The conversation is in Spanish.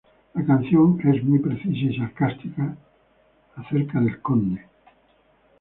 La canción es muy precisa y sarcástica acerca del Conde.